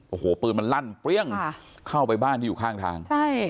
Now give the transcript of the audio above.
โอ้โหปืนมันลั่นเปรี้ยงเข้าไปบ้านที่อยู่ข้างทางใช่